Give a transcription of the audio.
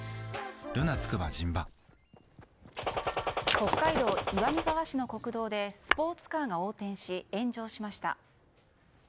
北海道岩見沢市の国道でスポーツカーが横転し炎上しました。